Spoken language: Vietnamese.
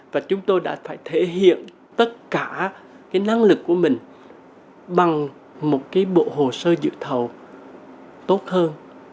và chúng tôi đã phải thể hiện tất cả năng lực của mình bằng một bộ hồ sơ dự thầu tốt hơn